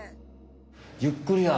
ゆっくりや！